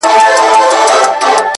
• نو گراني تاته وايم ـ